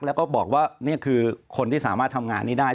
แล้วก็บอกว่านี่คือคนที่สามารถทำงานนี้ได้